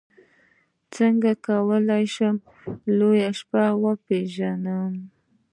څنګه کولی شم لویه شپه وپېژنم